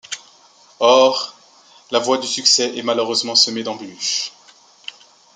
Or, la voie du succès est malheureusement semée d'embûches.